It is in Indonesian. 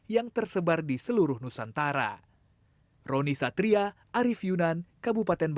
yang tersebar di seluruh nusantara